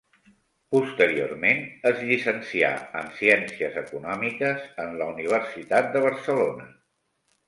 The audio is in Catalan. Posteriorment es llicencià en Ciències Econòmiques en la Universitat de Barcelona.